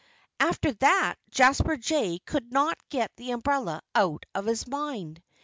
After that Jasper Jay could not get the umbrella out of his mind.